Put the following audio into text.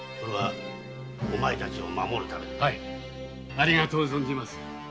ありがとう存じます。